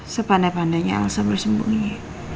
sepandai pandainya elsa bersembunyi